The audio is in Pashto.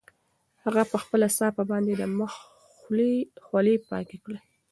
هغه په خپله صافه باندې د مخ خولې پاکې کړې.